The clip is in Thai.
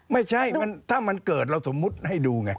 ไม่ใช่ถ้ามันเกิดเราสมมุติให้ดูไง